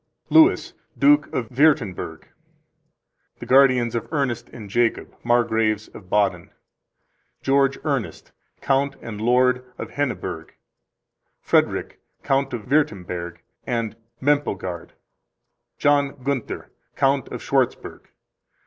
Louis, Duke of Wuerttemberg. The guardians of Ernest and Jacob, Margraves of Baden. George Ernest, Count and Lord of Henneburg. Frederick, Count of Wuerttemberg and Moempelgard. John Gunther, Count of Schwartzburg.